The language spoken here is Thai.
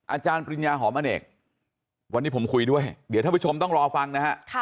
อาจารย์ปริญญาหอมอเนกวันนี้ผมคุยด้วยเดี๋ยวท่านผู้ชมต้องรอฟังนะฮะ